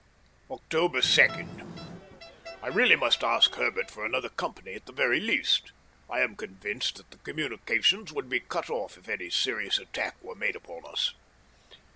October 2. I must really ask Herbert for another company at the very least. I am convinced that the communications would be cut off if any serious attack were made upon us.